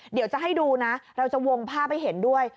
เดี๋ยวจะให้ดูนะเราจะวงภาพให้เห็นด้วย